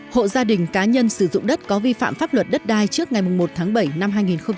một hộ gia đình cá nhân sử dụng đất có vi phạm pháp luật đất đai trước ngày một tháng bảy năm hai nghìn một mươi bốn